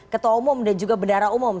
ketua umum dan juga bendara umum